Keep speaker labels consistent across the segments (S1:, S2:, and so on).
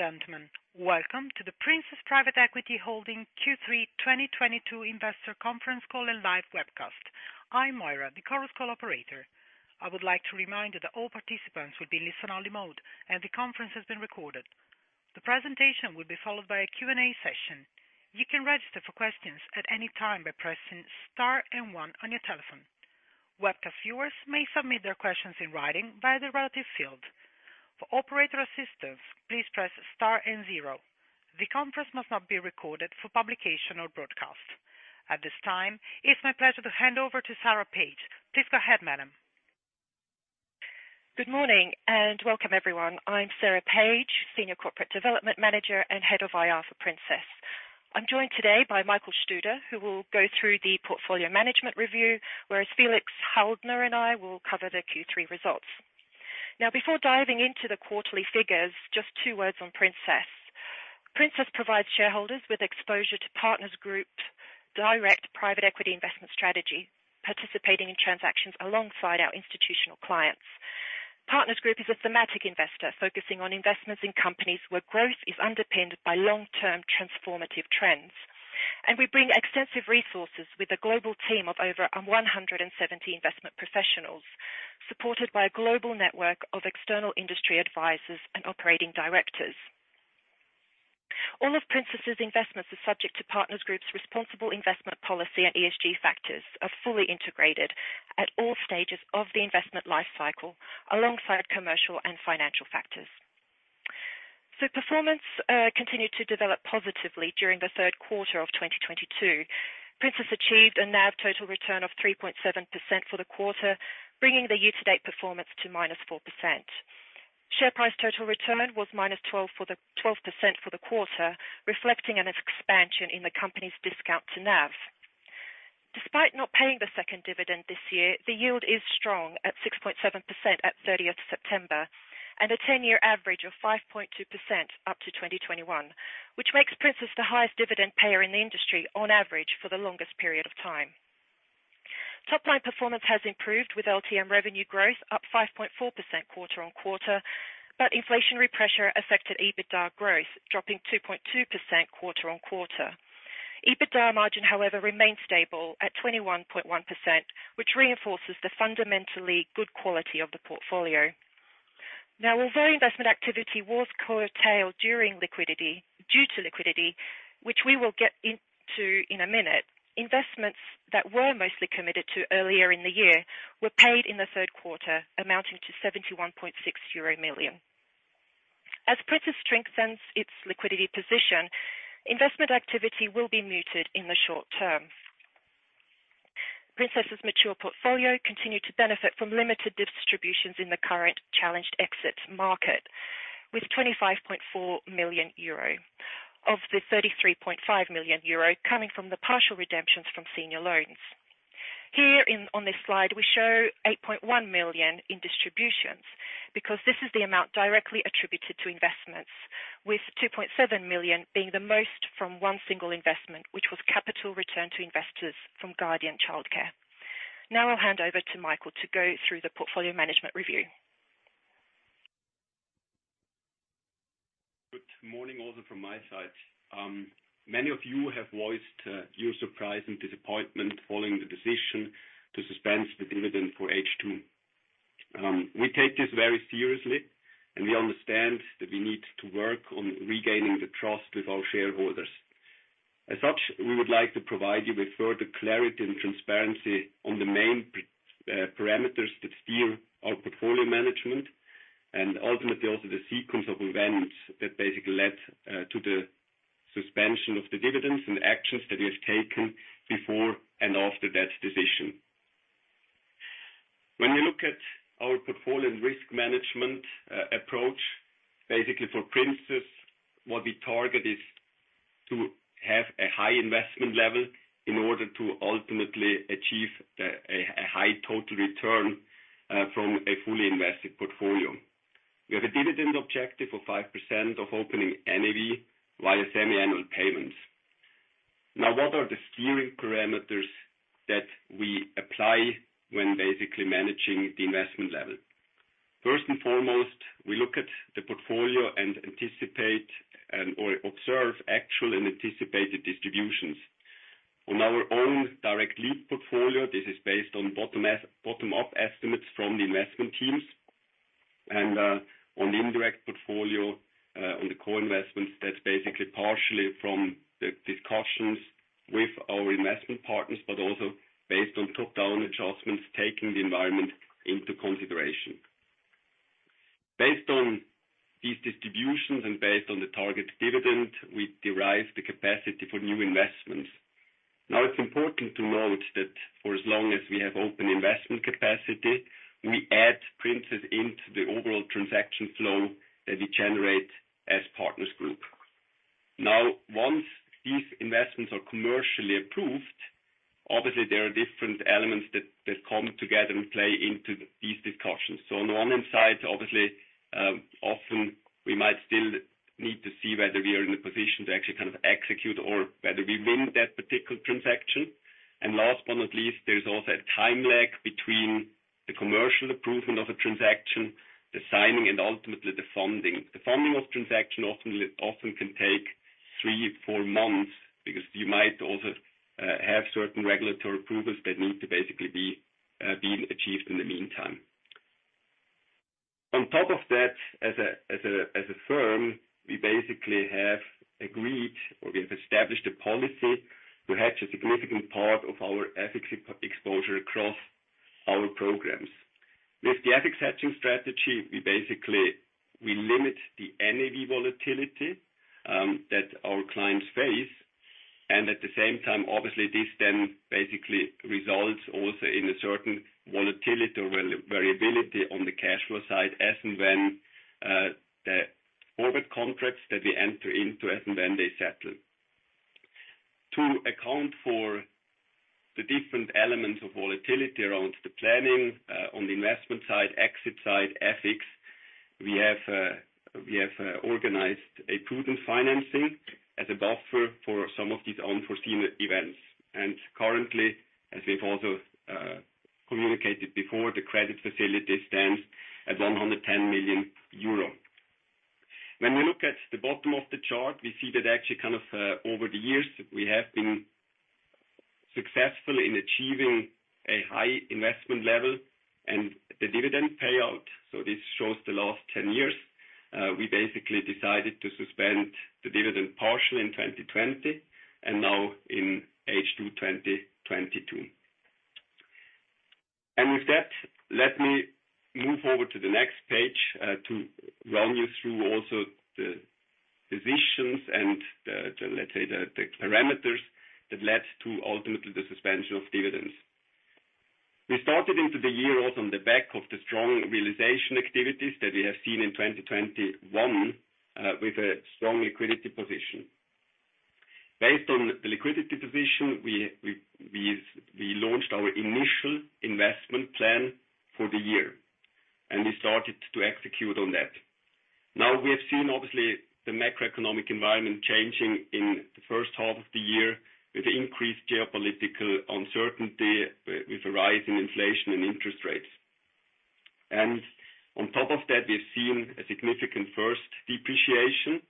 S1: Ladies and gentlemen, welcome to the Princess Private Equity Holding Q3 2022 investor conference call and live webcast. I'm Moira, the Chorus Call operator. I would like to remind you that all participants will be listen-only mode. The conference is being recorded. The presentation will be followed by a Q&A session. You can register for questions at any time by pressing star one on your telephone. Webcast viewers may submit their questions in writing via the relative field. For operator assistance, please press star zero. The conference must not be recorded for publication or broadcast. At this time, it's my pleasure to hand over to Sarah Page. Please go ahead, madam.
S2: Good morning, welcome everyone. I'm Sarah Page, senior corporate development manager and head of IR for Princess. I'm joined today by Michael Studer, who will go through the portfolio management review, whereas Felix Haldner and I will cover the Q3 results. Before diving into the quarterly figures, just two words on Princess. Princess provides shareholders with exposure to Partners Group's direct private equity investment strategy, participating in transactions alongside our institutional clients. Partners Group is a thematic investor focusing on investments in companies where growth is underpinned by long-term transformative trends. We bring extensive resources with a global team of over 170 investment professionals, supported by a global network of external industry advisors and operating directors. All of Princess's investments are subject to Partners Group's responsible investment policy, and ESG factors are fully integrated at all stages of the investment life cycle alongside commercial and financial factors. Performance continued to develop positively during the third quarter of 2022. Princess achieved a NAV total return of 3.7% for the quarter, bringing the year to date performance to -4%. Share price total return was -12% for the quarter, reflecting an expansion in the company's discount to NAV. Despite not paying the second dividend this year, the yield is strong at 6.7% at 30th September, and a 10-year average of 5.2% up to 2021, which makes Princess the highest dividend payer in the industry on average for the longest period of time. Top line performance has improved with LTM revenue growth up 5.4% quarter-on-quarter, inflationary pressure affected EBITDA growth, dropping 2.2% quarter-on-quarter. EBITDA margin, however, remains stable at 21.1%, which reinforces the fundamentally good quality of the portfolio. Although investment activity was curtailed due to liquidity, which we will get into in a minute, investments that were mostly committed to earlier in the year were paid in the third quarter, amounting to 71.6 million euro. As Princess strengthens its liquidity position, investment activity will be muted in the short term. Princess's mature portfolio continued to benefit from limited distributions in the current challenged exit market with 25.4 million euro, of the 33.5 million euro coming from the partial redemptions from senior loans. Here on this slide, we show 8.1 million in distributions because this is the amount directly attributed to investments, with 2.7 million being the most from one single investment, which was capital return to investors from Guardian Childcare. Now I'll hand over to Michael to go through the portfolio management review.
S3: Good morning also from my side. Many of you have voiced your surprise and disappointment following the decision to suspend the dividend for H2. We take this very seriously, and we understand that we need to work on regaining the trust with our shareholders. As such, we would like to provide you with further clarity and transparency on the main parameters that steer our portfolio management and ultimately also the sequence of events that basically led to the suspension of the dividends and actions that we have taken before and after that decision. When you look at our portfolio risk management approach, basically for Princess, what we target is to have a high investment level in order to ultimately achieve a high total return from a fully invested portfolio. We have a dividend objective of 5% of opening NAV via semi-annual payments. What are the steering parameters that we apply when basically managing the investment level? First and foremost, we look at the portfolio and anticipate and/or observe actual and anticipated distributions. On our own direct lead portfolio, this is based on bottom-up estimates from the investment teams. On the indirect portfolio, on the core investments that's basically partially from the discussions with our investment partners but also based on top-down adjustments, taking the environment into consideration. Based on these distributions and based on the target dividend, we derive the capacity for new investments. It's important to note that for as long as we have open investment capacity, we add Princess into the overall transaction flow that we generate as Partners Group. Once these investments are commercially approved, obviously there are different elements that come together and play into these discussions. On the one hand side, obviously, often we might still need to see whether we are in a position to actually kind of execute or whether we win that particular transaction. Last but not least, there's also a time lag between the commercial approval of a transaction, the signing, and ultimately the funding. The funding of transaction often can take three, four months because you might also have certain regulatory approvals that need to basically be being achieved in the meantime. On top of that, as a firm, we basically have agreed or we have established a policy to hedge a significant part of our FX exposure across our programs. With the FX hedging strategy, we limit the NAV volatility, that our clients face, and at the same time, obviously, this then basically results also in a certain volatility or variability on the cash flow side as and when, the forward contracts that we enter into as and when they settle. To account for the different elements of volatility around the planning, on the investment side, exit side FX, we have organized a prudent financing as a buffer for some of these unforeseen events. Currently, as we've also, communicated before, the credit facility stands at 110 million euro. When we look at the bottom of the chart, we see that actually kind of, over the years, we have been successful in achieving a high investment level and the dividend payout. This shows the last 10 years. We basically decided to suspend the dividend partially in 2020 and now in H2 2022. With that, let me move over to the next page, to run you through also the positions and the, let's say, the parameters that led to ultimately the suspension of dividends. We started into the year on the back of the strong realization activities that we have seen in 2021, with a strong liquidity position. Based on the liquidity position, we launched our initial investment plan for the year, and we started to execute on that. We have seen obviously the macroeconomic environment changing in the first half of the year with increased geopolitical uncertainty, with a rise in inflation and interest rates. On top of that, we've seen a significant first depreciation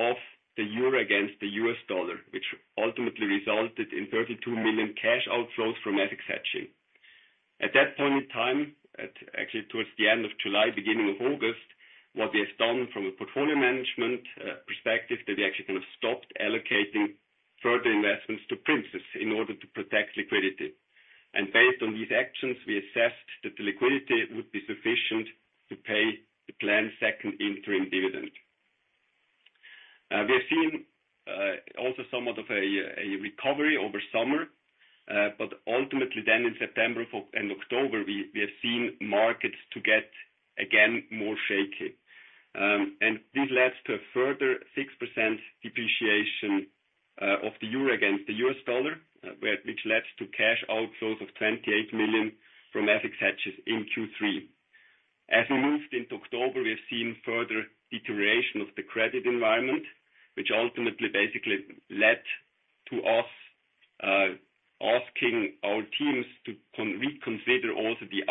S3: of the euro against the US dollar, which ultimately resulted in 32 million cash outflows from FX hedging. At that point in time, at actually towards the end of July, beginning of August, what we have done from a portfolio management perspective, that we actually kind of stopped allocating further investments to Princess in order to protect liquidity. Based on these actions, we assessed that the liquidity would be sufficient to pay the planned second interim dividend. We're seeing also somewhat of a recovery over summer, but ultimately then in September and October, we have seen markets to get again more shaky. This led to a further 6% depreciation of the euro against the U.S. dollar, which led to cash outflows of 28 million from FX hedges in Q3. As we moved into October, we have seen further deterioration of the credit environment, which ultimately basically led to us asking our teams to reconsider also the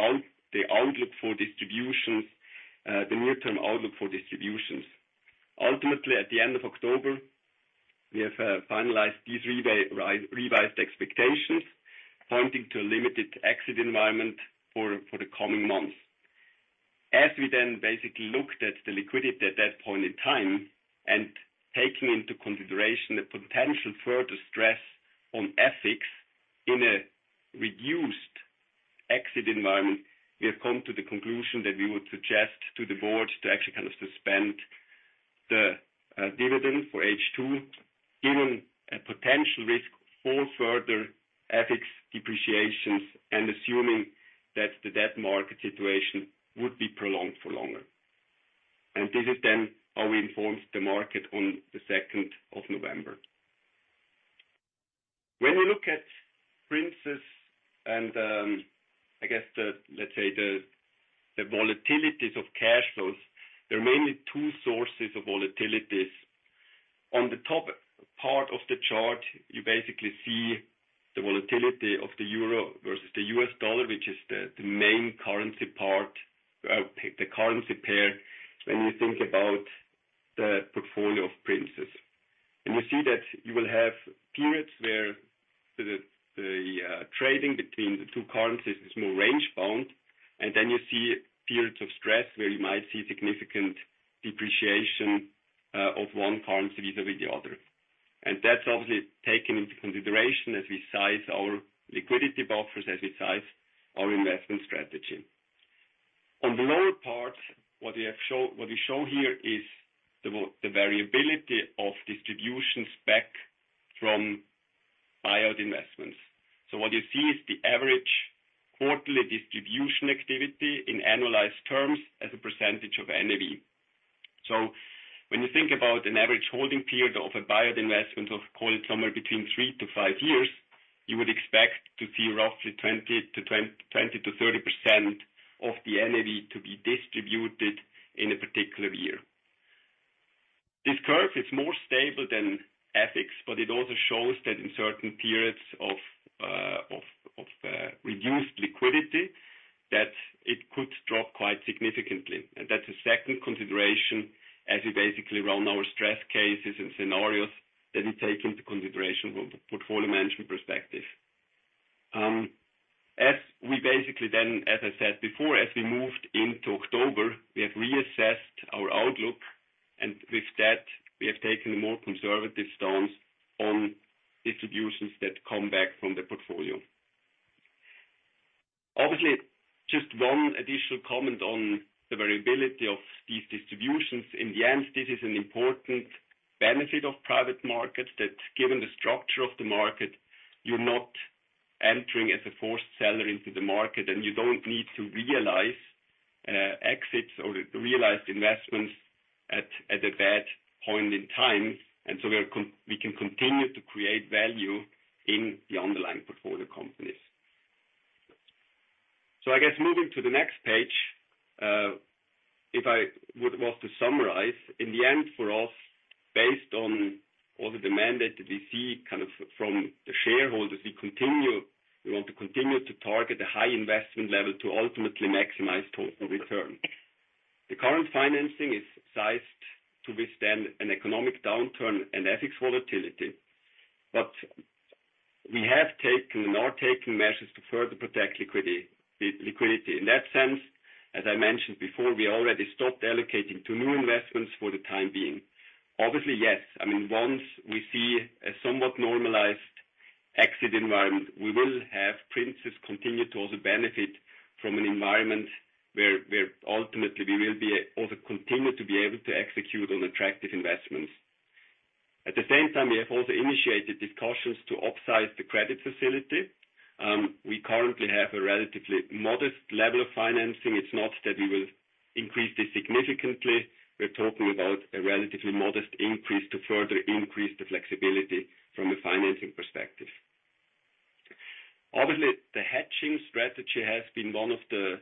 S3: outlook for distributions, the near-term outlook for distributions. Ultimately, at the end of October, we have finalized these revised expectations, pointing to a limited exit environment for the coming months. As we then basically looked at the liquidity at that point in time and taking into consideration the potential further stress on FX in a reduced exit environment, we have come to the conclusion that we would suggest to the board to actually kind of suspend the dividend for H2, given a potential risk for further FX depreciations and assuming that the debt market situation would be prolonged for longer. This is then how we informed the market on the second of November. When we look at Princess and I guess the, let's say, the volatilities of cash flows, there are mainly two sources of volatilities. On the top part of the chart, you basically see the volatility of the euro versus the U.S. dollar, which is the main currency part, the currency pair when you think about the portfolio of Princess. You see that you will have periods where the trading between the two currencies is more range bound, then you see periods of stress where you might see significant depreciation of one currency vis-à-vis the other. That's obviously taken into consideration as we size our liquidity buffers, as we size our investment strategy. On the lower part, what we show here is the variability of distributions back from buyout investments. What you see is the average quarterly distribution activity in annualized terms as a percentage of NAV. When you think about an average holding period of a buyout investment of call it somewhere between 3-5 years, you would expect to see roughly 20%-30% of the NAV to be distributed in a particular year. This curve is more stable than FX, but it also shows that in certain periods of reduced liquidity, that it could drop quite significantly. That's a second consideration as we basically run our stress cases and scenarios that we take into consideration from the portfolio management perspective. As we basically then, as I said before, as we moved into October, we have reassessed our outlook. With that, we have taken a more conservative stance on distributions that come back from the portfolio. Obviously, just one additional comment on the variability of these distributions. In the end, this is an important benefit of private markets, that given the structure of the market, you're not entering as a forced seller into the market, and you don't need to realize exits or realized investments at a bad point in time. We can continue to create value in the underlying portfolio companies. I guess moving to the next page, if I would want to summarize, in the end for us, based on all the demand that we see kind of from the shareholders, we want to continue to target a high investment level to ultimately maximize total return. The current financing is sized to withstand an economic downturn and FX volatility. We have taken and are taking measures to further protect liquidity. In that sense, as I mentioned before, we already stopped allocating to new investments for the time being. Obviously, yes, I mean, once we see a somewhat normalized exit environment, we will have Princess continue to also benefit from an environment where ultimately we will also continue to be able to execute on attractive investments. At the same time, we have also initiated discussions to upsize the credit facility. We currently have a relatively modest level of financing. It's not that we will increase this significantly. We're talking about a relatively modest increase to further increase the flexibility from a financing perspective. Obviously, the hedging strategy has been one of the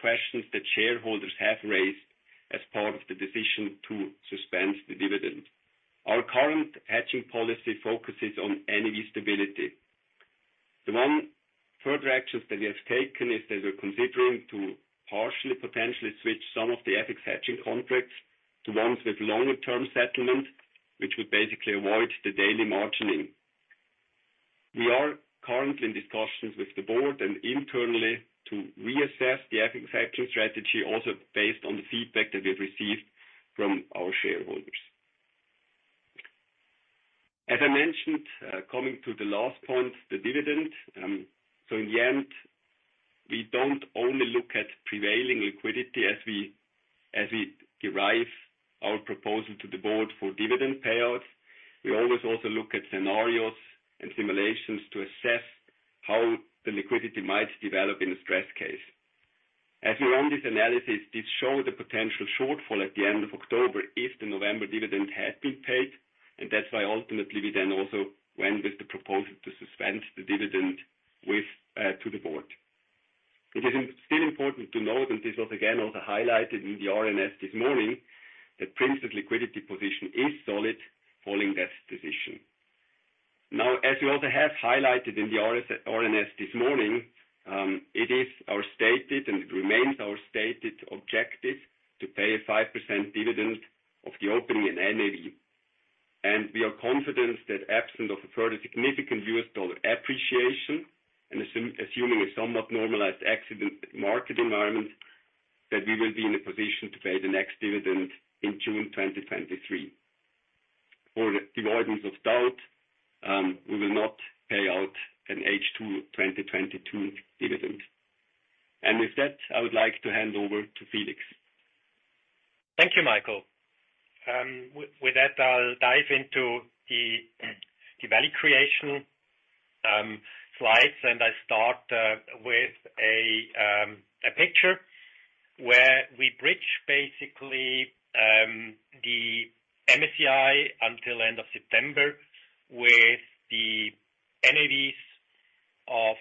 S3: questions that shareholders have raised as part of the decision to suspend the dividend. Our current hedging policy focuses on NAV stability. The one further actions that we have taken is that we're considering to partially, potentially switch some of the FX hedging contracts to ones with longer term settlement, which would basically avoid the daily margining. We are currently in discussions with the board and internally to reassess the FX hedging strategy, also based on the feedback that we've received from our shareholders. As I mentioned, coming to the last point, the dividend. In the end, we don't only look at prevailing liquidity as we derive our proposal to the board for dividend payouts. We always also look at scenarios and simulations to assess how the liquidity might develop in a stress case. As we run this analysis, this show the potential shortfall at the end of October if the November dividend had been paid, and that's why ultimately we then also went with the proposal to suspend the dividend to the board. It is still important to note, and this was again also highlighted in the RNS this morning, that Princess' liquidity position is solid following that decision. As we also have highlighted in the RNS this morning, it is our stated, and it remains our stated objective, to pay a 5% dividend of the opening in NAV. We are confident that absent of a further significant U.S. dollar appreciation, and assuming a somewhat normalized exit market environment, that we will be in a position to pay the next dividend in June 2023. For the avoidance of doubt, we will not pay out an H2 2022 dividend. With that, I would like to hand over to Felix.
S4: Thank you, Michael. With that, I'll dive into the value creation slides. I start with a picture where we bridge basically the MSCI until end of September with the NAVs of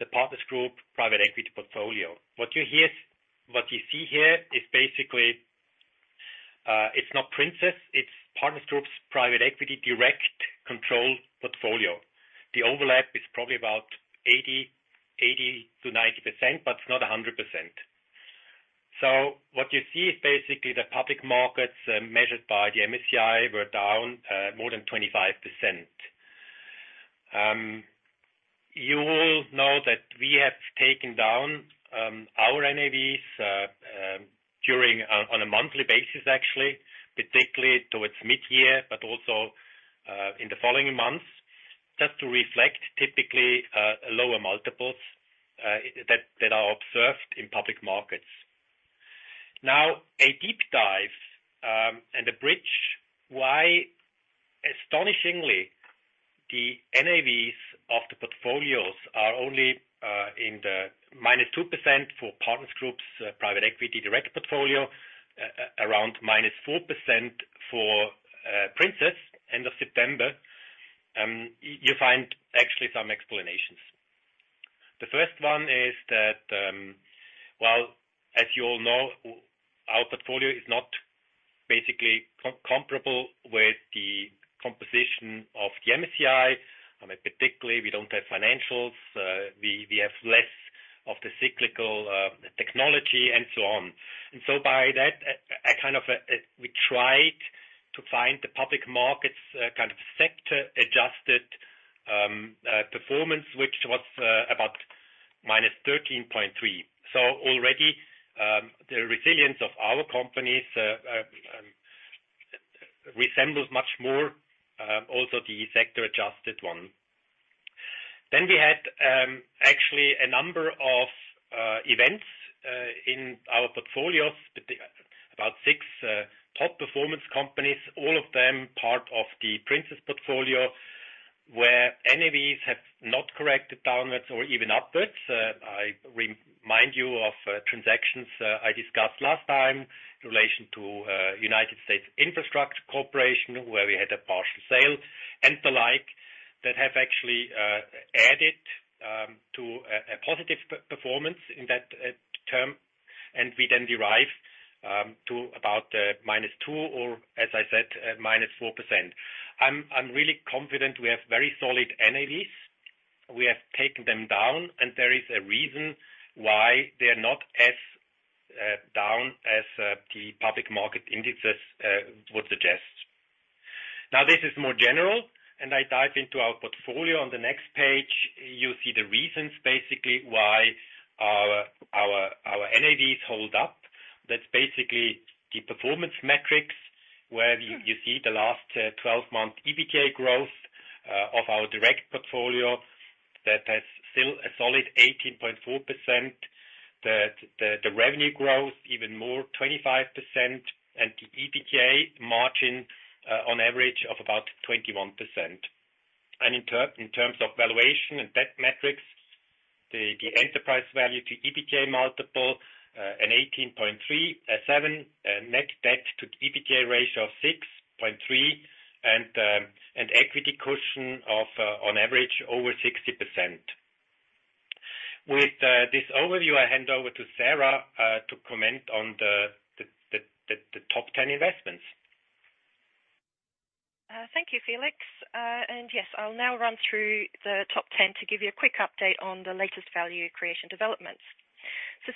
S4: the Partners Group private equity portfolio. What you see here is basically, it's not Princess, it's Partners Group's private equity direct control portfolio. The overlap is probably about 80-90%, but it's not 100%. What you see is basically the public markets measured by the MSCI were down more than 25%. You will know that we have taken down our NAVs on a monthly basis, actually, particularly towards mid-year, but also in the following months, just to reflect typically lower multiples that are observed in public markets. Now, a deep dive, and a bridge, why astonishingly, the NAVs of the portfolios are only in the -2% for Partners Group's private equity direct portfolio, around -4% for Princess, end of September. You find actually some explanations. The first one is that, well, as you all know, our portfolio is not basically comparable with the composition of the MSCI. Particularly, we don't have financials. We have less of the cyclical technology and so on. By that, I kind of, we tried to find the public markets kind of sector adjusted performance, which was about -13.3%. Already, the resilience of our companies resembles much more also the sector adjusted one. we had actually a number of events in our portfolios, about six top performance companies, all of them part of the Princess portfolio, where NAVs have not corrected downwards or even upwards. I remind you of transactions I discussed last time in relation to United States Infrastructure Corporation, where we had a partial sale and the like, that have actually added to a positive performance in that term. We then derive to about -2, or as I said, -4%. I'm really confident we have very solid NAVs. We have taken them down, and there is a reason why they are not as down as the public market indexes would suggest. This is more general, and I dive into our portfolio. On the next page, you see the reasons basically why our NAVs hold up. That's basically the performance metrics, where you see the last 12-month EBITDA growth of our direct portfolio that has still a solid 18.4%. The revenue growth even more, 25%, and the EBITDA margin on average of about 21%. In terms of valuation and debt metrics, the enterprise value to EBITDA multiple an 18.37x, net debt to EBITDA ratio of 6.3x, and equity cushion of on average over 60%. With this overview, I hand over to Sarah to comment on the top 10 investments.
S2: Thank you, Felix. Yes, I'll now run through the top 10 to give you a quick update on the latest value creation developments.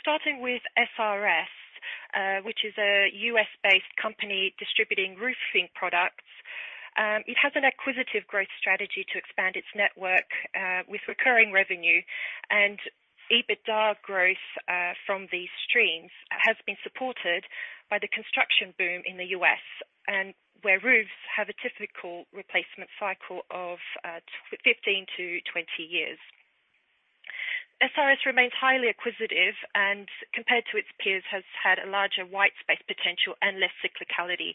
S2: Starting with SRS, which is a U.S.-based company distributing roofing products. It has an acquisitive growth strategy to expand its network, with recurring revenue, and EBITDA growth from these streams has been supported by the construction boom in the U.S. and where roofs have a typical replacement cycle of 15 to 20 years. SRS remains highly acquisitive and compared to its peers, has had a larger white space potential and less cyclicality.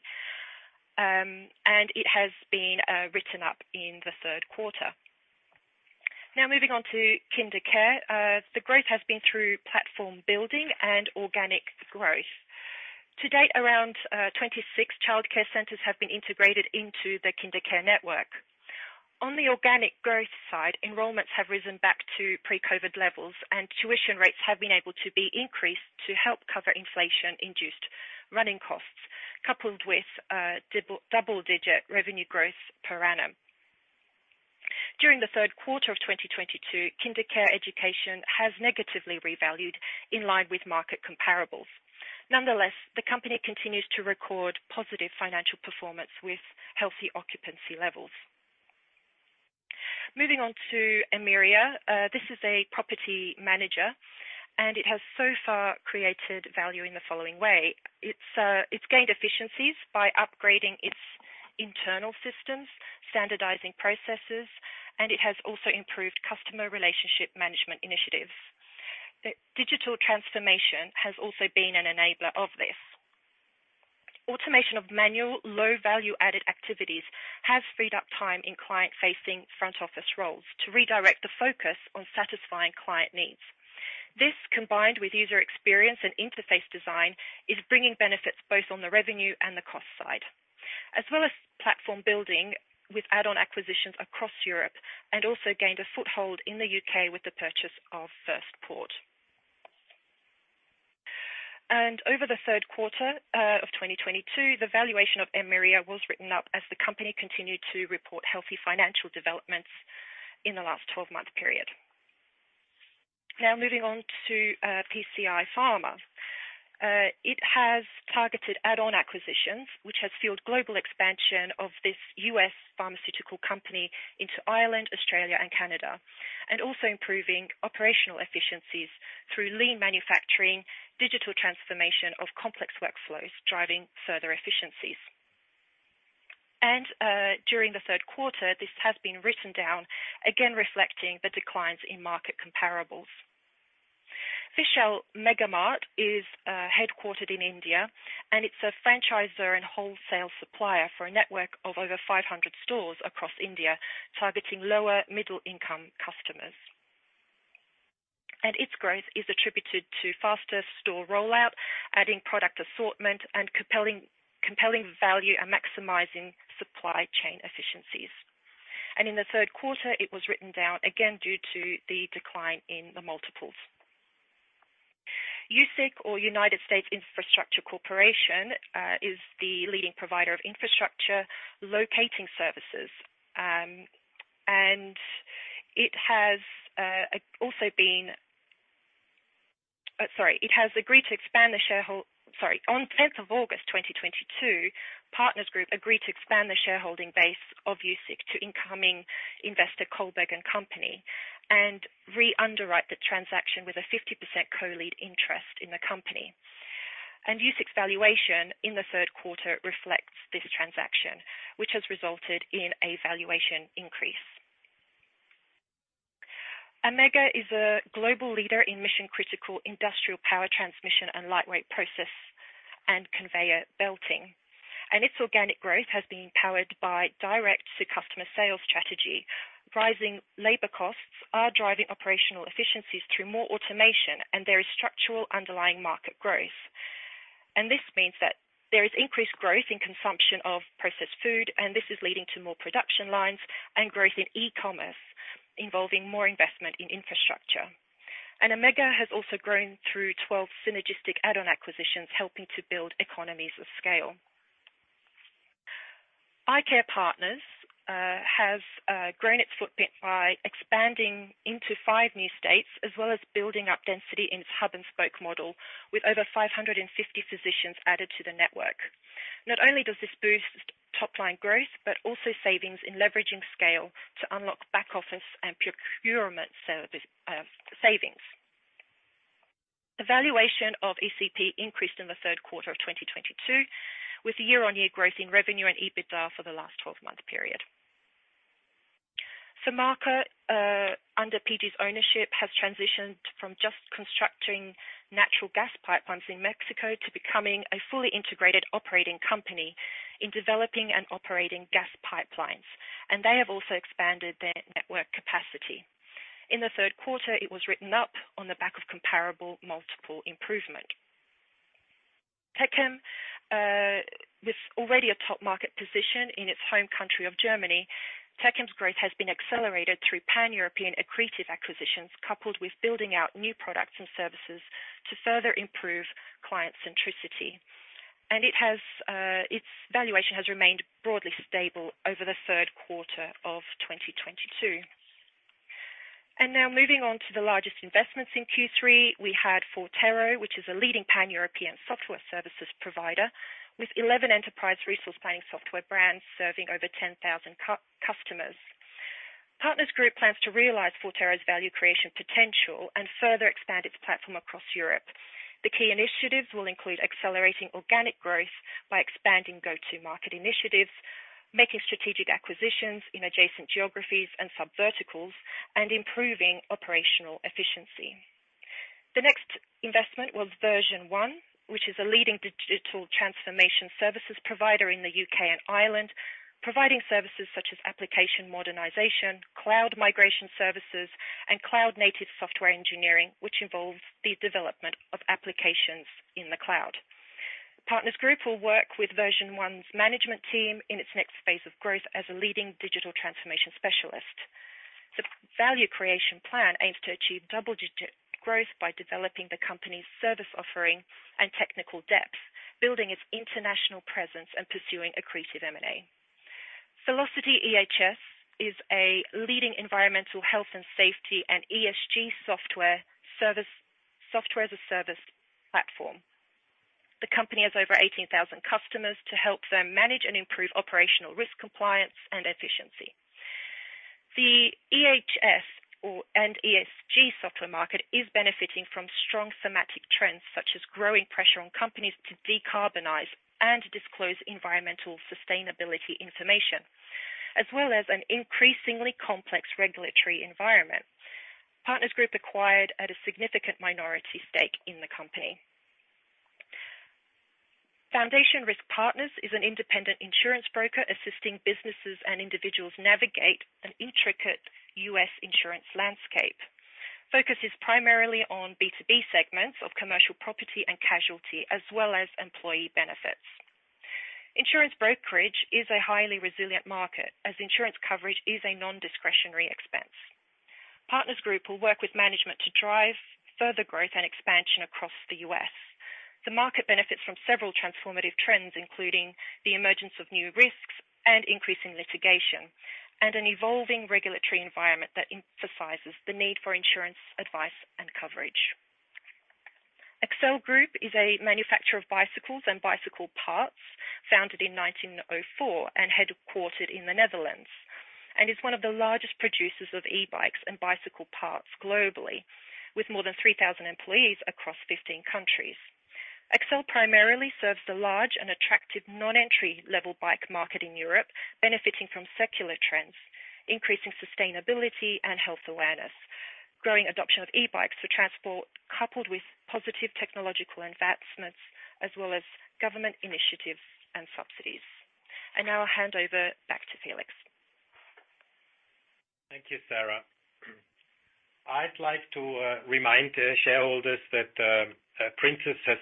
S2: It has been written up in the third quarter. Now moving on to KinderCare. The growth has been through platform building and organic growth. To date, around 26 childcare centers have been integrated into the KinderCare network. On the organic growth side, enrollments have risen back to pre-COVID levels, and tuition rates have been able to be increased to help cover inflation-induced running costs, coupled with double-digit revenue growth per annum. During the third quarter of 2022, KinderCare Education has negatively revalued in line with market comparables. The company continues to record positive financial performance with healthy occupancy levels. Moving on to Emeria. This is a property manager, it has so far created value in the following way: It's gained efficiencies by upgrading its internal systems, standardizing processes, and it has also improved customer relationship management initiatives. The digital transformation has also been an enabler of this. Automation of manual low-value-added activities has freed up time in client-facing front office roles to redirect the focus on satisfying client needs. This, combined with user experience and interface design, is bringing benefits both on the revenue and the cost side. Platform building with add-on acquisitions across Europe, and also gained a foothold in the U.K. with the purchase of FirstPort. Over the third quarter of 2022, the valuation of Emeria was written up as the company continued to report healthy financial developments in the last 12-month period. Now moving on to PCI Pharma. It has targeted add-on acquisitions, which has fueled global expansion of this U.S. pharmaceutical company into Ireland, Australia and Canada. Also improving operational efficiencies through lean manufacturing, digital transformation of complex workflows, driving further efficiencies. During the third quarter, this has been written down again reflecting the declines in market comparables. Vishal Mega Mart is headquartered in India, it's a franchisor and wholesale supplier for a network of over 500 stores across India, targeting lower middle-income customers. Its growth is attributed to faster store rollout, adding product assortment and compelling value and maximizing supply chain efficiencies. In the third quarter, it was written down again due to the decline in the multiples. USIC or United States Infrastructure Corporation is the leading provider of infrastructure locating services. On 10th of August 2022, Partners Group agreed to expand the shareholding base of USIC to incoming investor Kohlberg & Company and re-underwrite the transaction with a 50% co-lead interest in the company. USIC's valuation in the third quarter reflects this transaction, which has resulted in a valuation increase. Ammega is a global leader in mission-critical industrial power transmission and lightweight process and conveyor belting. Its organic growth has been powered by direct-to-customer sales strategy. Rising labor costs are driving operational efficiencies through more automation. There is structural underlying market growth. This means that there is increased growth in consumption of processed food. This is leading to more production lines and growth in e-commerce, involving more investment in infrastructure. Ammega has also grown through twelve synergistic add-on acquisitions, helping to build economies of scale. EyeCare Partners has grown its footprint by expanding into five new states, as well as building up density in its hub-and-spoke model with over 550 physicians added to the network. Not only does this boost top-line growth, but also savings in leveraging scale to unlock back-office and procurement service savings. The valuation of ECP increased in the third quarter of 2022, with year-on-year growth in revenue and EBITDA for the last twelve-month period. Fermaca, under PG's ownership, has transitioned from just constructing natural gas pipelines in Mexico to becoming a fully integrated operating company in developing and operating gas pipelines. They have also expanded their network capacity. In the third quarter, it was written up on the back of comparable multiple improvement. Techem, with already a top market position in its home country of Germany, Techem's growth has been accelerated through pan-European accretive acquisitions, coupled with building out new products and services to further improve client centricity. It has, its valuation has remained broadly stable over the third quarter of 2022. Now moving on to the largest investments in Q3. We had Forterro, which is a leading pan-European software services provider with 11 enterprise resource planning software brands serving over 10,000 customers. Partners Group plans to realize Forterro's value creation potential and further expand its platform across Europe. The key initiatives will include accelerating organic growth by expanding go-to-market initiatives, making strategic acquisitions in adjacent geographies and subverticals, and improving operational efficiency. The next investment was Version 1, which is a leading digital transformation services provider in the U.K. and Ireland, providing services such as application modernization, cloud migration services, and cloud native software engineering, which involves the development of applications in the cloud. Partners Group will work with Version 1's management team in its next phase of growth as a leading digital transformation specialist. The value creation plan aims to achieve double-digit growth by developing the company's service offering and technical depth, building its international presence, and pursuing accretive M&A. VelocityEHS is a leading environmental health and safety and ESG software as a service platform. The company has over 18,000 customers to help them manage and improve operational risk compliance and efficiency. The EHS and ESG software market is benefiting from strong thematic trends, such as growing pressure on companies to decarbonize and disclose environmental sustainability information, as well as an increasingly complex regulatory environment. Partners Group acquired at a significant minority stake in the company. Foundation Risk Partners is an independent insurance broker assisting businesses and individuals navigate an intricate U.S. insurance landscape. Focus is primarily on B2B segments of commercial property and casualty, as well as employee benefits. Insurance brokerage is a highly resilient market as insurance coverage is a non-discretionary expense. Partners Group will work with management to drive further growth and expansion across the U.S. The market benefits from several transformative trends, including the emergence of new risks and increasing litigation, and an evolving regulatory environment that emphasizes the need for insurance advice and coverage. Accell Group is a manufacturer of bicycles and bicycle parts, founded in 1904 and headquartered in the Netherlands, and is one of the largest producers of e-bikes and bicycle parts globally, with more than 3,000 employees across 15 countries. Accell primarily serves the large and attractive non-entry level bike market in Europe, benefiting from secular trends, increasing sustainability and health awareness, growing adoption of e-bikes for transport, coupled with positive technological advancements as well as government initiatives and subsidies. Now I'll hand over back to Felix.
S4: Thank you, Sarah. I'd like to remind shareholders that Princess has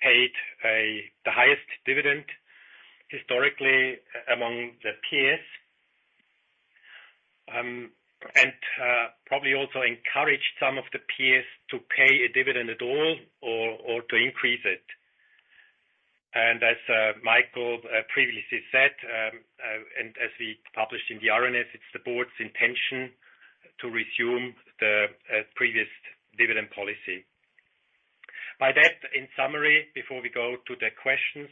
S4: paid the highest dividend historically among the peers. Probably also encouraged some of the peers to pay a dividend at all or to increase it. As Michael previously said, and as we published in the RNS, it's the board's intention to resume the previous dividend policy. By that, in summary, before we go to the questions,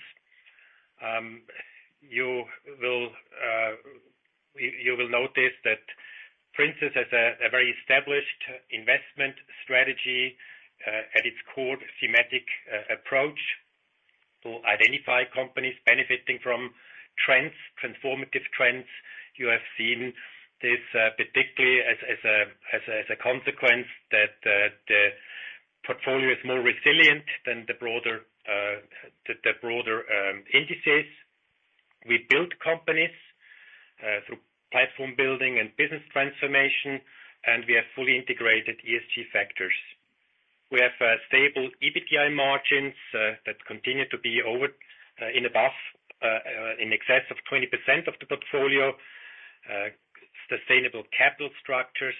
S4: you will notice that Princess has a very established investment strategy at its core thematic approach to identify companies benefiting from trends, transformative trends. You have seen this particularly as a consequence that the portfolio is more resilient than the broader indices. We build companies through platform building and business transformation. We have fully integrated ESG factors. We have stable EBIT margins that continue to be over in above in excess of 20% of the portfolio, sustainable capital structures.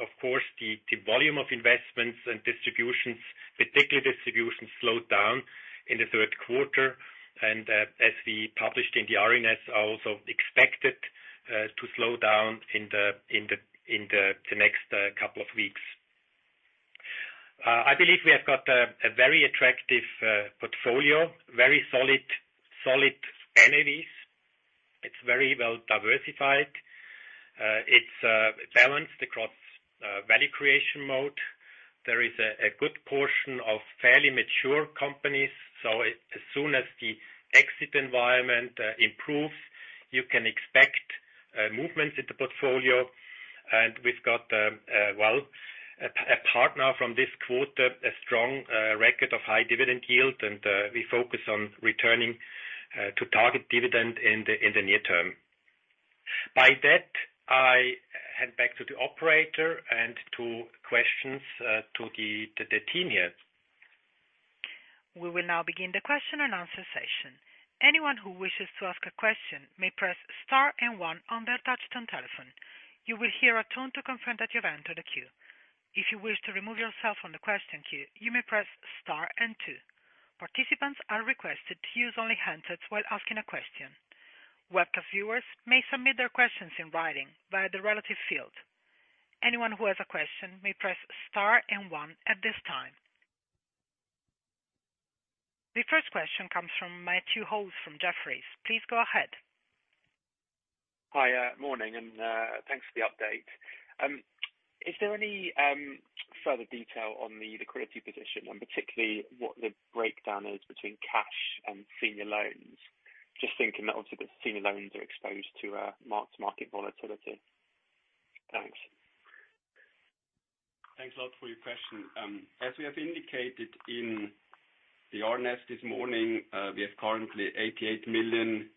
S4: Of course, the volume of investments and distributions, particularly distribution, slowed down in the third quarter. As we published in the RNS, are also expected to slow down in the next couple of weeks. I believe we have got a very attractive portfolio, very solid entities. It's very well diversified. It's balanced across value creation mode. There is a good portion of fairly mature companies. As soon as the exit environment improves, you can expect movements in the portfolio. We've got, well, a partner from this quarter a strong record of high dividend yield, and we focus on returning to target dividend in the near term. By that, I head back to the operator and to questions to the team here.
S1: We will now begin the question and answer session. Anyone who wishes to ask a question may press star and one on their touchtone telephone. You will hear a tone to confirm that you've entered a queue. If you wish to remove yourself from the question queue, you may press star and two. Participants are requested to use only handsets while asking a question. Webcast viewers may submit their questions in writing via the relative field. Anyone who has a question may press star and one at this time. The first question comes from Matthew Hose from Jefferies. Please go ahead.
S5: Hi. Morning, and thanks for the update. Is there any further detail on the liquidity position and particularly what the breakdown is between cash and senior loans? Just thinking that also the senior loans are exposed to market volatility. Thanks.
S4: Thanks a lot for your question. As we have indicated in the RNS this morning, we have currently 88 million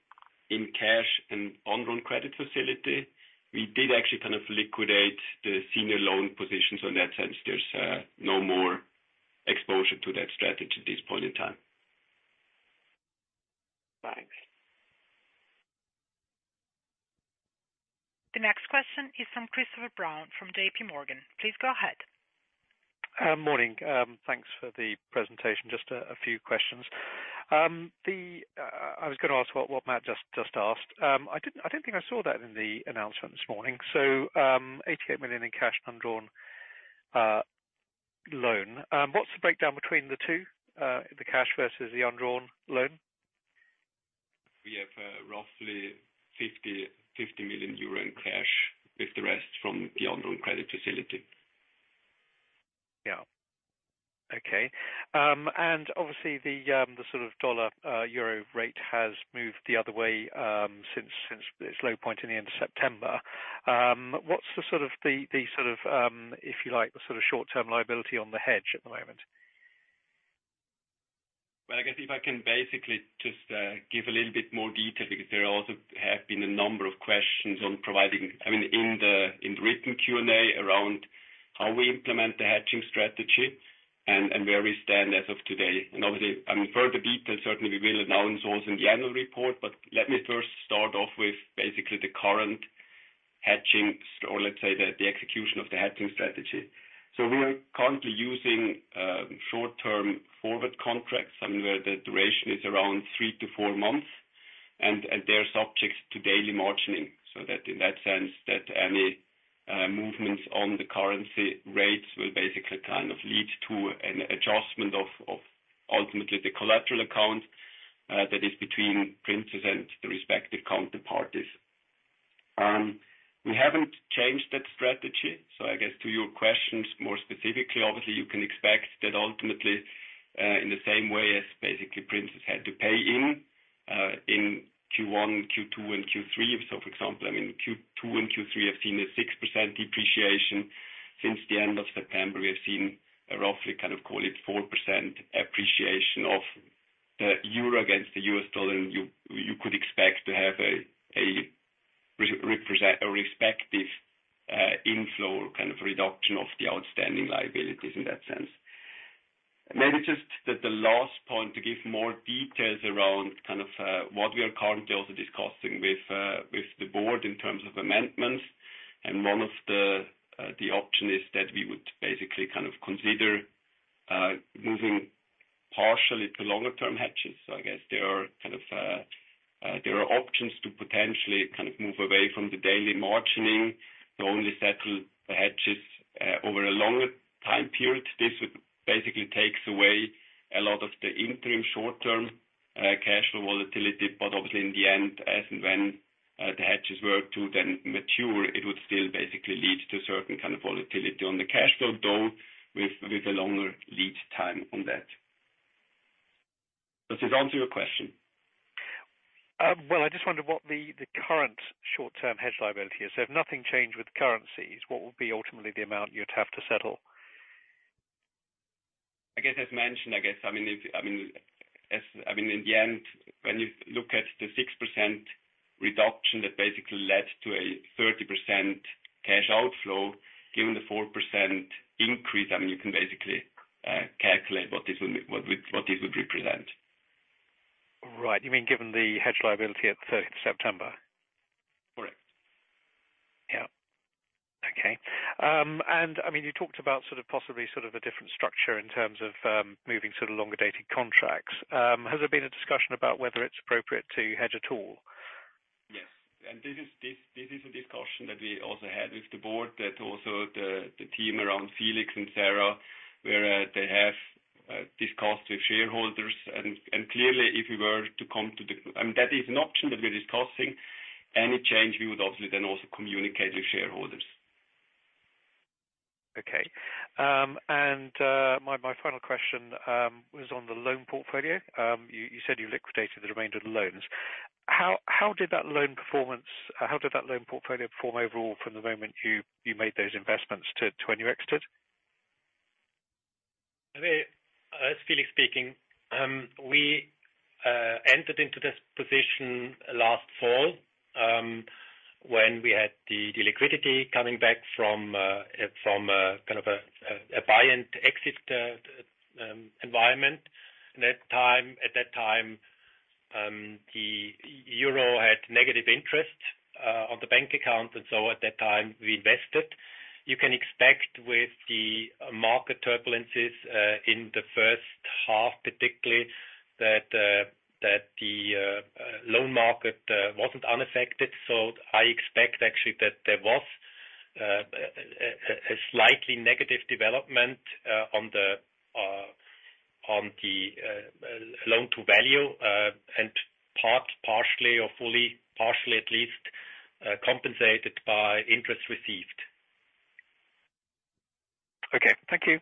S4: in cash and undrawn credit facility. We did actually kind of liquidate the senior loan position, so in that sense, there's no more exposure to that strategy at this point in time.
S5: Thanks.
S1: The next question is from Christopher Brown from JP Morgan. Please go ahead.
S6: Morning. Thanks for the presentation. Just a few questions. I was going to ask what Matt just asked. I didn't, I don't think I saw that in the announcement this morning. 88 million in cash undrawn loan. What's the breakdown between the two, the cash versus the undrawn loan?
S3: We have, roughly 50 million euro in cash with the rest from the undrawn credit facility.
S6: Yeah. Okay. Obviously the sort of Dollar, Euro rate has moved the other way, since its low point in the end of September. What's the sort of the sort of, if you like, the sort of short-term liability on the hedge at the moment?
S3: Well, I guess if I can basically just give a little bit more detail because there also have been a number of questions on providing in the written Q&A around how we implement the hedging strategy and where we stand as of today. Obviously, I mean, further detail, certainly we will announce also in the annual report, but let me first start off with basically the current hedging or let's say the execution of the hedging strategy. We are currently using short-term forward contracts where the duration is around 3-4 months, and they're subjects to daily margining. That in that sense that any movements on the currency rates will basically kind of lead to an adjustment of ultimately the collateral account that is between Princess and the respective counterparties. We haven't changed that strategy. I guess to your questions more specifically, obviously, you can expect that ultimately, in the same way as basically Princess had to pay in Q1, Q2, and Q3. For example, I mean, Q2 and Q3 have seen a 6% depreciation. Since the end of September, we have seen roughly kind of call it 4% appreciation of the euro against the U.S. dollar, you could expect to have a respective inflow kind of reduction of the outstanding liabilities in that sense. Maybe just the last point to give more details around kind of what we are currently also discussing with the board in terms of amendments. One of the option is that we would basically kind of consider moving partially to longer-term hedges. I guess there are kind of, there are options to potentially kind of move away from the daily margining to only settle the hedges over a longer time period. This would basically takes away a lot of the interim short-term cash flow volatility, but obviously in the end, as and when, the hedges were to then mature, it would still basically lead to certain kind of volatility on the cash flow, though with a longer lead time on that. Does this answer your question?
S6: Well, I just wonder what the current short-term hedge liability is. If nothing changed with currencies, what would be ultimately the amount you'd have to settle?
S3: As mentioned, I guess, I mean, if, I mean, I mean, in the end, when you look at the 6% reduction that basically led to a 30% cash outflow, given the 4% increase, I mean, you can basically calculate what this would represent.
S6: Right. You mean, given the hedge liability at the 30th of September?
S3: Correct.
S6: Yeah. Okay. I mean, you talked about sort of possibly sort of a different structure in terms of, moving sort of longer-dated contracts. Has there been a discussion about whether it's appropriate to hedge at all?
S3: Yes. This is a discussion that we also had with the board that also the team around Felix and Sarah, where they have discussed with shareholders. Clearly, if we were to come to the... That is an option that we're discussing. Any change, we would obviously then also communicate with shareholders.
S6: Okay. My final question, was on the loan portfolio. You said you liquidated the remainder of the loans. How did that loan portfolio perform overall from the moment you made those investments to when you exited?
S4: I mean, it's Felix speaking. We entered into this position last fall, when we had the liquidity coming back from kind of a buy and exit environment. At that time, the e-euro had negative interest on the bank account. At that time, we invested. You can expect with the market turbulences in the first half, particularly, that the loan market wasn't unaffected. I expect actually that there was a slightly negative development on the loan to value, and partially or fully, partially at least, compensated by interest received.
S6: Okay. Thank you.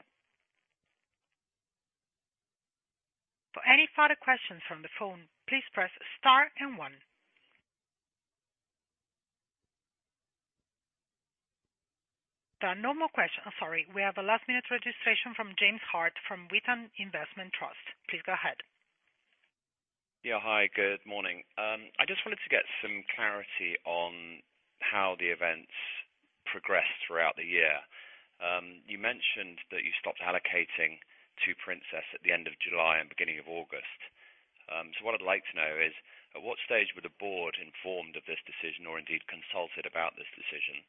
S1: For any further questions from the phone, please press star and one. There are no more questions. Oh, sorry. We have a last-minute registration from James Hart from Witan Investment Trust. Please go ahead.
S7: Yeah. Hi, good morning. I just wanted to get some clarity on how the events progressed throughout the year. You mentioned that you stopped allocating to Princess at the end of July and beginning of August. What I'd like to know is, at what stage were the board informed of this decision or indeed consulted about this decision?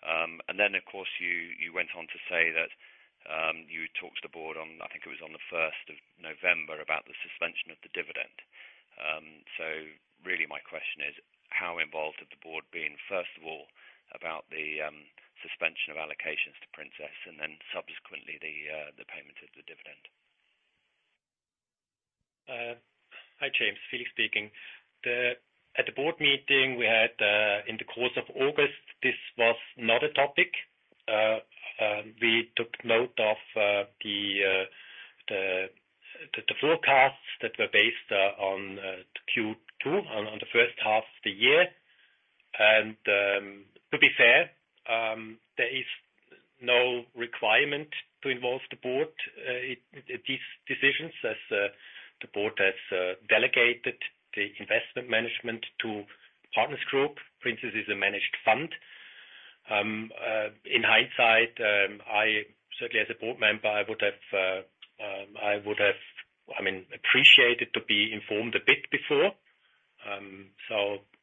S7: Of course, you went on to say that you talked to the board on, I think it was on the 1st of November, about the suspension of the dividend. Really my question is, how involved had the board been, first of all, about the suspension of allocations to Princess and subsequently the payment of the dividend?
S4: Hi, James. Felix speaking. At the board meeting we had in the course of August, this was not a topic. We took note of the forecasts that were based on the Q2 on the first half of the year. To be fair, there is no requirement to involve the board in these decisions as the board has delegated the investment management to Partners Group. Princess is a managed fund. In hindsight, I certainly as a board member, I would have, I mean, appreciated to be informed a bit before.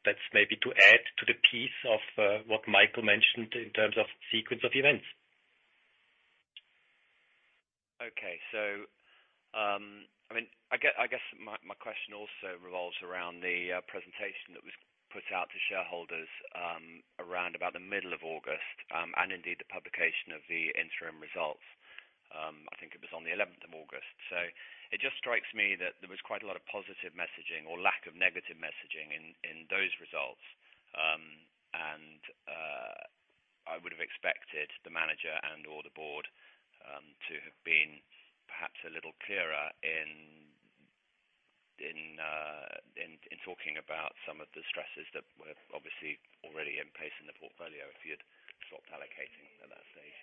S4: That's maybe to add to the piece of what Michael mentioned in terms of sequence of events.
S7: Okay. I mean, I guess my question also revolves around the presentation that was put out to shareholders around about the middle of August, indeed the publication of the interim results. I think it was on the 11th of August. It just strikes me that there was quite a lot of positive messaging or lack of negative messaging in those results. I would have expected the manager and or the board to have been perhaps a little clearer in about some of the stresses that were obviously already in place in the portfolio if you had stopped allocating at that stage.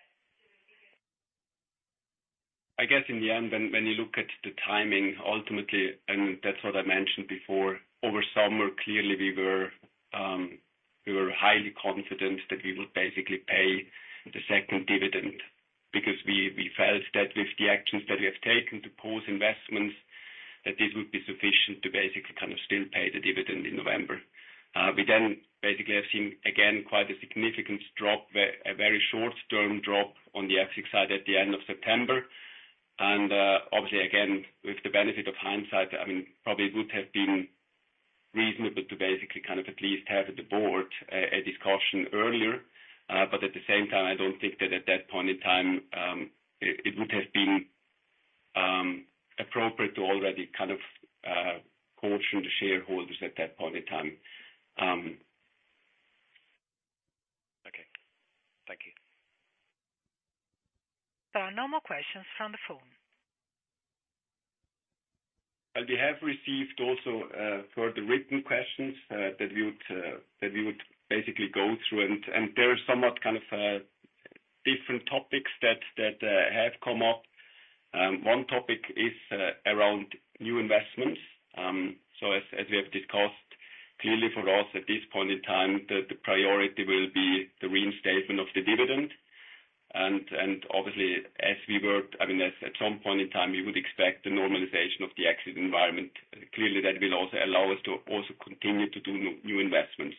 S4: I guess in the end when you look at the timing, ultimately, that's what I mentioned before, over summer, clearly we were highly confident that we would basically pay the second dividend because we felt that with the actions that we have taken to pause investments, that this would be sufficient to basically kind of still pay the dividend in November. We then basically have seen again, quite a significant drop where a very short term drop on the exit side at the end of September. Obviously, again, with the benefit of hindsight, I mean, probably it would have been reasonable to basically kind of at least have the board a discussion earlier. At the same time, I don't think that at that point in time, it would have been appropriate to already kind of caution the shareholders at that point in time.
S7: Okay. Thank you.
S1: There are no more questions from the phone.
S3: We have received also further written questions that we would basically go through. There are somewhat kind of different topics that have come up. One topic is around new investments. As we have discussed, clearly for us at this point in time, the priority will be the reinstatement of the dividend. Obviously, I mean, as at some point in time, we would expect the normalization of the exit environment. Clearly, that will also allow us to also continue to do new investments.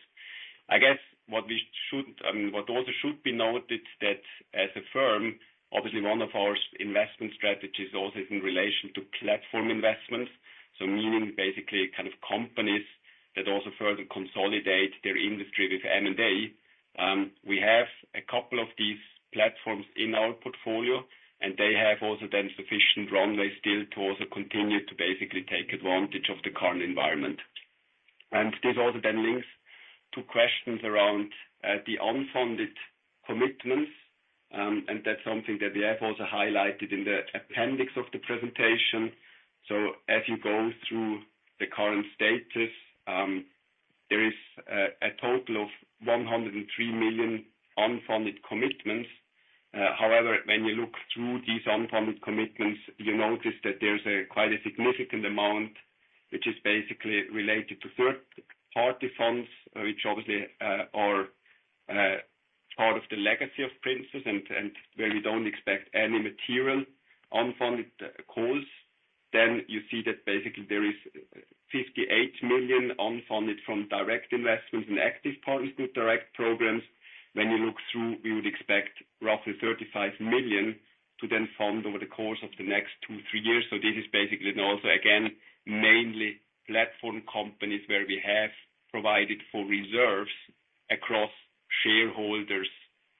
S3: I guess what also should be noted that as a firm, obviously one of our investment strategies also is in relation to platform investments. Meaning basically kind of companies that also further consolidate their industry with M&A. We have a couple of these platforms in our portfolio, and they have also then sufficient runway still to also continue to basically take advantage of the current environment. This also then links to questions around the unfunded commitments, and that's something that we have also highlighted in the appendix of the presentation. As you go through the current status, there is a total of 103 million unfunded commitments. However, when you look through these unfunded commitments, you notice that there's a quite a significant amount which is basically related to third-party funds, which obviously are part of the legacy of Princess and where we don't expect any material unfunded calls. You see that basically there is 58 million unfunded from direct investments in active Partners Group direct programs. When you look through, we would expect roughly 35 million to fund over the course of the next 2, 3 years. This is basically and also again, mainly platform companies where we have provided for reserves across shareholders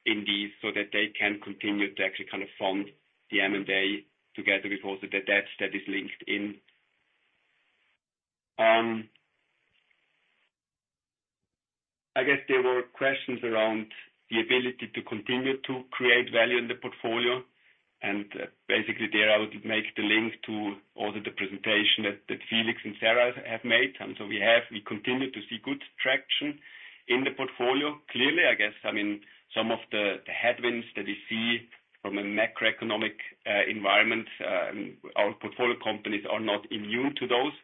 S3: in these so that they can continue to actually kind of fund the M&A together with also the debt that is linked in. I guess there were questions around the ability to continue to create value in the portfolio. Basically there I would make the link to all of the presentation that Felix and Sarah have made. We continue to see good traction in the portfolio. Clearly, I guess, I mean, some of the headwinds that we see from a macroeconomic environment, our portfolio companies are not immune to those.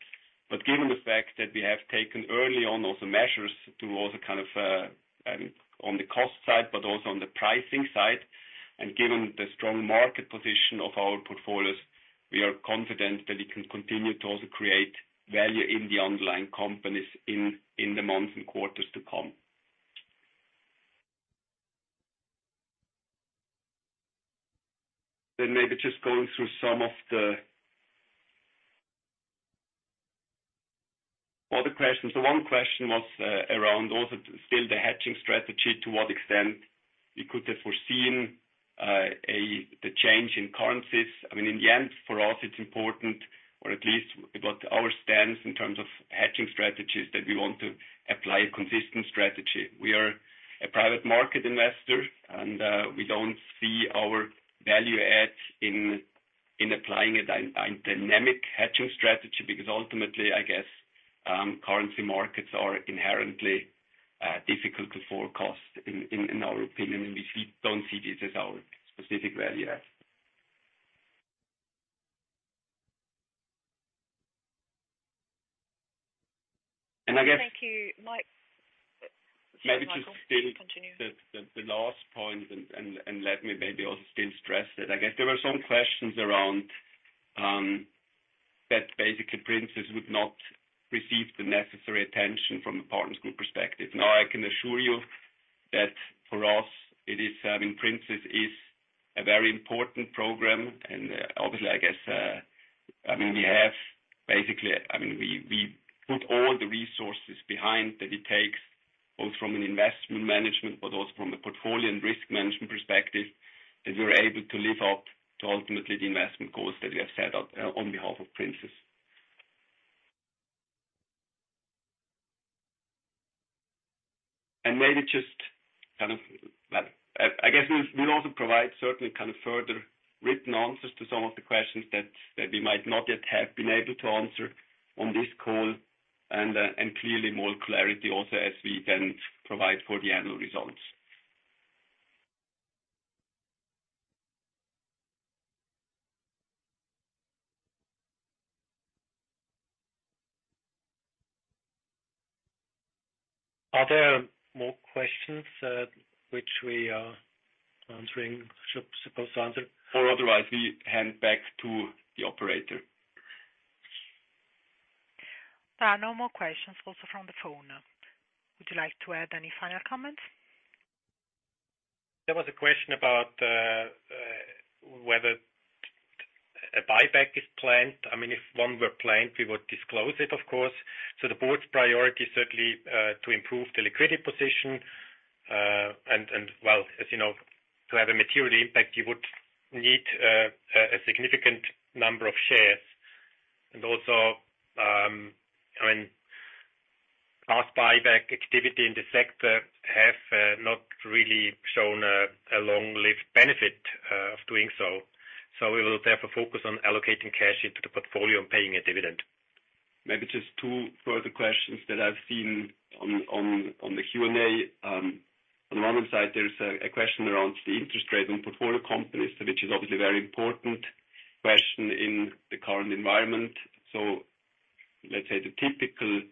S3: Given the fact that we have taken early on also measures to also kind of, on the cost side, but also on the pricing side, and given the strong market position of our portfolios, we are confident that we can continue to also create value in the underlying companies in the months and quarters to come. Maybe just going through some of the other questions. One question was around also still the hedging strategy, to what extent we could have foreseen the change in currencies. I mean, in the end, for us it's important or at least about our stance in terms of hedging strategies that we want to apply a consistent strategy. We are a private market investor and we don't see our value add in applying a dynamic hedging strategy because ultimately, I guess, currency markets are inherently difficult to forecast in our opinion, don't see this as our specific value add. I guess-
S1: Thank you, Mike. Sorry, Michael. Continue.
S3: Maybe just still the last point and let me maybe also still stress it. I guess there were some questions around that basically Princess would not receive the necessary attention from a Partners Group perspective. Now, I can assure you that for us it is, I mean, Princess is a very important program and obviously, I guess, I mean, we put all the resources behind that it takes, both from an investment management, but also from a portfolio and risk management perspective, that we're able to live up to ultimately the investment goals that we have set up on behalf of Princess. Maybe just kind of, I guess we'll also provide certainly kind of further written answers to some of the questions that we might not yet have been able to answer on this call. Clearly more clarity also as we then provide for the annual results.
S4: Are there more questions, which we are supposed to answer?
S3: Otherwise we hand back to the operator.
S1: There are no more questions also from the phone. Would you like to add any final comments?
S4: There was a question about whether a buyback is planned. I mean, if one were planned, we would disclose it, of course. The board's priority is certainly to improve the liquidity position. Well, as you know, to have a material impact, you would need a significant number of shares. Also, I mean, past buyback activity in the sector have not really shown a long-lived benefit of doing so. We will therefore focus on allocating cash into the portfolio and paying a dividend.
S3: Maybe just two further questions that I've seen on, on the Q&A. On the one side there's a question around the interest rate on portfolio companies, which is obviously a very important question in the current environment. Let's say the typical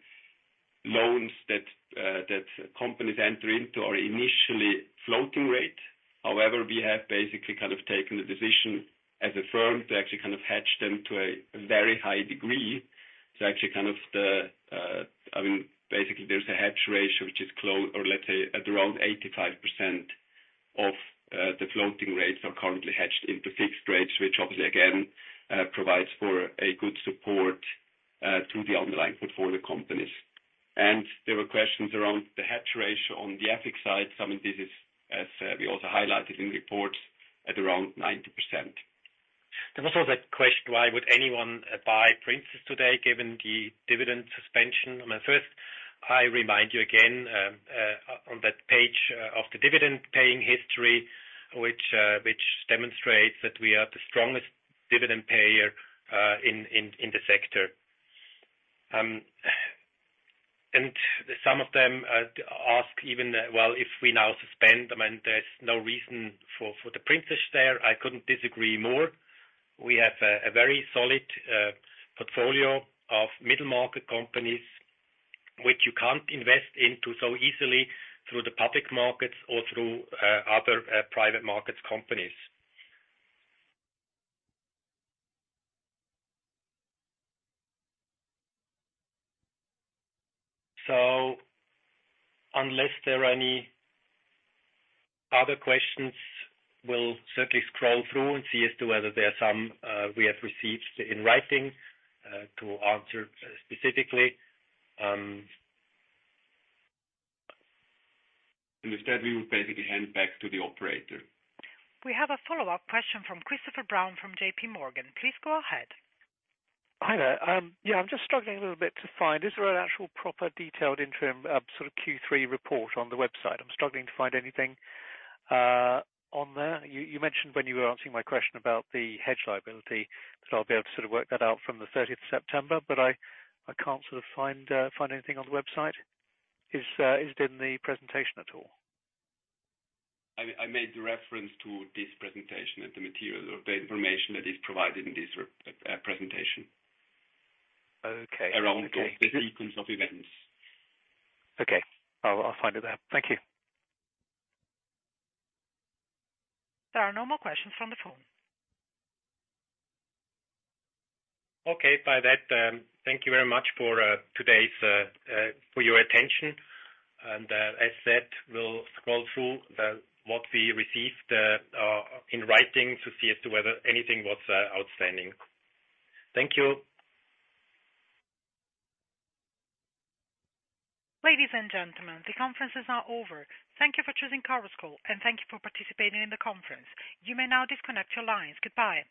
S3: loans that companies enter into are initially floating rate. However, we have basically taken the decision as a firm to actually hedge them to a very high degree. Actually the, I mean, basically, there's a hedge ratio which is or let's say at around 85% of the floating rates are currently hedged into fixed rates, which obviously, again, provides for a good support to the underlying portfolio companies. There were questions around the hedge ratio on the Afic side. I mean, this is, as, we also highlighted in the report, at around 90%.
S4: There was also that question, why would anyone buy Princess today given the dividend suspension? I mean, first, I remind you again, on that page of the dividend paying history, which demonstrates that we are the strongest dividend payer in the sector. Some of them ask even, well, if we now suspend them and there's no reason for the Princess there, I couldn't disagree more. We have a very solid portfolio of middle market companies which you can't invest into so easily through the public markets or through other private markets companies. Unless there are any other questions, we'll certainly scroll through and see as to whether there are some we have received in writing to answer specifically.
S3: With that, we will basically hand back to the operator.
S1: We have a follow-up question from Christopher Brown, from JPMorgan. Please go ahead.
S6: Hi there. I'm just struggling a little bit to find, is there an actual proper detailed interim sort of Q3 report on the website? I'm struggling to find anything on there. You mentioned when you were answering my question about the hedge liability that I'll be able to sort of work that out from the 30th September, I can't sort of find anything on the website. Is it in the presentation at all?
S3: I made the reference to this presentation and the material or the information that is provided in this presentation.
S6: Okay.
S3: Around all the sequence of events.
S6: Okay. I'll find it there. Thank you.
S1: There are no more questions from the phone.
S4: Okay. By that, thank you very much for today's for your attention. As said, we'll scroll through what we received in writing to see as to whether anything was outstanding. Thank you.
S1: Ladies and gentlemen, the conference is now over. Thank you for choosing conference call, and thank you for participating in the conference. You may now disconnect your lines. Goodbye.